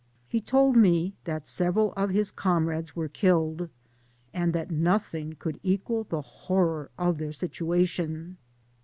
He told me tliat several of his com rades were killed, and that nothing could equal the horror of their situation.